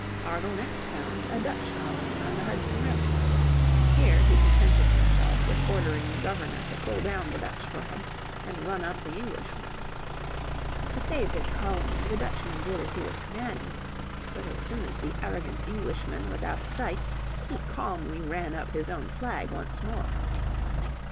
Argall next found a Dutch colony on the Hudson River. Here he contented himself with ordering the Governor to pull down the Dutch flag and run up the English one. To save his colony the Dutchman did as he was commanded. But as soon as the arrogant Englishman was out of sight he calmly ran up his own flag once more.